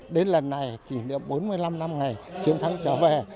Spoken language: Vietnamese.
đến lần này kỷ niệm bốn mươi năm năm ngày trên tháng trở về